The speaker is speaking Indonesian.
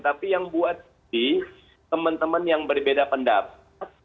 tapi yang buat di teman teman yang berbeda pendapat